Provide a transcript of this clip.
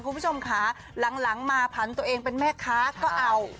คุณผู้ชมค่ะหลังมาผันตัวเองเป็นแม่ค้าก็เอา